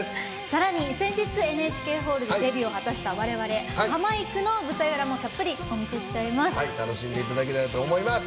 さらに先日ＮＨＫホールでデビューを果たした我々、ハマいくの舞台裏もたっぷりお見せしちゃいます。